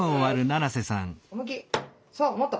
そうもっと。